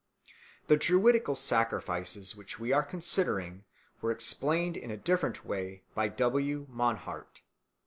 The Druidical sacrifices which we are considering were explained in a different way by W. Mannhardt.